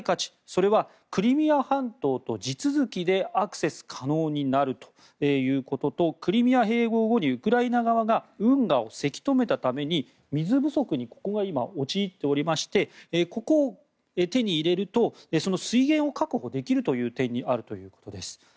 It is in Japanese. それはクリミア半島と地続きでアクセス可能になるということとクリミア併合後にウクライナ側が運河をせき止めたために水不足に、ここは今陥っておりましてここを手に入れるとその水源を確保できるという点にあるということです。